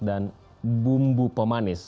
dan bumbu pemanis